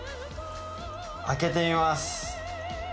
開けてみます。